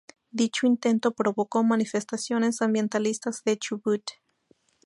Dicho intento provocó manifestaciones ambientalistas en Chubut.